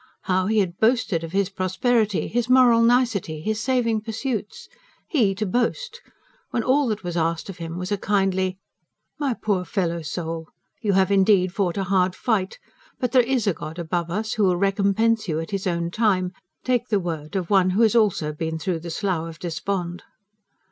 How he had boasted of his prosperity, his moral nicety, his saving pursuits he to boast! when all that was asked of him was a kindly: "My poor fellow soul, you have indeed fought a hard fight; but there IS a God above us who will recompense you at His own time, take the word for it of one who has also been through the Slough of Despond."